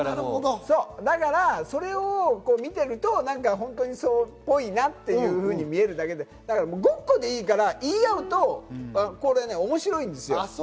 それを見ているとそれっぽいなっていうふうに見えるだけで、ごっこでいいから言い合うと面白いんですよ。